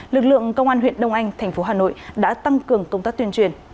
lực lượng công an huyện đông anh thành phố hà nội đã tăng cường công tác tuyên truyền